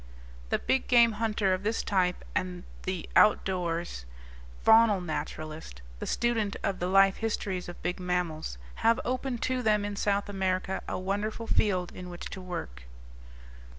The big game hunter of this type and the outdoors, faunal naturalist, the student of the life histories of big mammals, have open to them in South America a wonderful field in which to work.